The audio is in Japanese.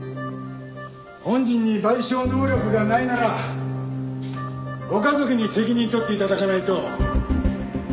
本人に賠償能力がないならご家族に責任取って頂かないと。